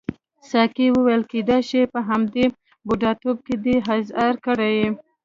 ساقي وویل کیدای شي په همدې بوډاتوب کې دې احضار کړي.